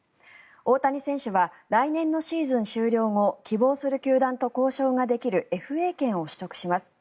大谷選手は来年のシーズン終了後希望する球団と交渉ができるＦＡ権を取得します。